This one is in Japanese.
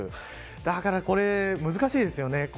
だから、これ難しいですよね。